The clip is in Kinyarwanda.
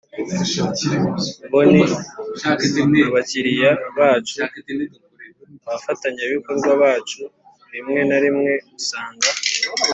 bo ni abakiriya bacu, abafatanyabikorwa bacu, rimwe na rimwe usanga